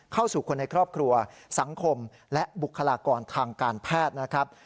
เข้าสู่คนในครอบครัวสังคมและบุคลากรทางการแพทย์นะครับ